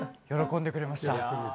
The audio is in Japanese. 喜んでくれました。